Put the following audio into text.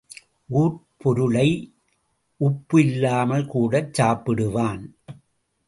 ஊர்ப் பொருளை உப்பு இல்லாமல் கூடச் சாப்பிடுவான்.